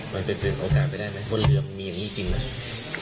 มันเป็นเปลี่ยนโอกาสไปได้ไหมบนเรือมันมีอย่างนี้จริงไหม